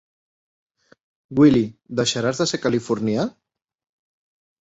Willy—, deixaràs de ser californià?